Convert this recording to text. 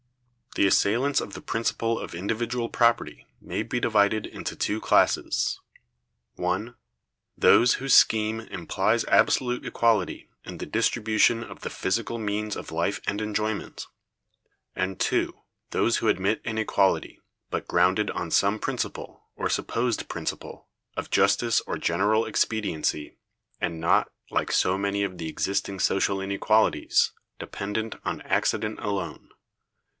The assailants of the principle of individual property may be divided into two classes: (1) those whose scheme implies absolute equality in the distribution of the physical means of life and enjoyment, and (2) those who admit inequality, but grounded on some principle, or supposed principle, of justice or general expediency, and not, like so many of the existing social inequalities, dependent on accident alone.